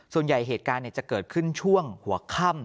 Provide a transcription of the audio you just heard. ส่วนใหญ่เหตุการณ์เนี่ยจะเกิดขึ้นช่วงหัวค่ำ